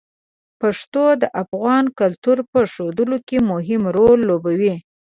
پښتو د افغان کلتور په ښودلو کې مهم رول لوبوي.